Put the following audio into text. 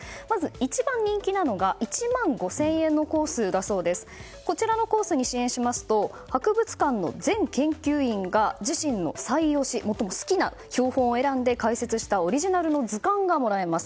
一番人気なのが１万５０００円のコースだそうでこちらに支援しますと博物館の全研究員が自信の最推し最も好きな標本を選んで解説したオリジナルの図鑑がもらえます。